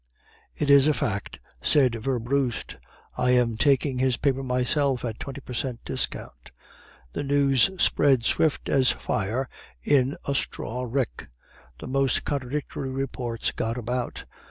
"'It is a fact,' said Werbrust; 'I am taking his paper myself at twenty per cent discount.' "The news spread swift as fire in a straw rick. The most contradictory reports got about.